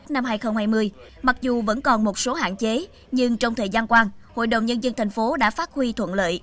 năm hai nghìn hai mươi mặc dù vẫn còn một số hạn chế nhưng trong thời gian qua hội đồng nhân dân thành phố đã phát huy thuận lợi